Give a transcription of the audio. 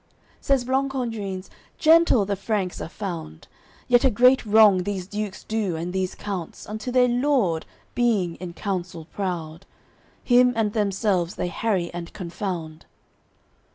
AOI. XXIX Says Blancandrins "Gentle the Franks are found; Yet a great wrong these dukes do and these counts Unto their lord, being in counsel proud; Him and themselves they harry and confound."